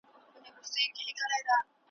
خپله مېنه خپل مي کلی خپل مي ښار په سترګو وینم `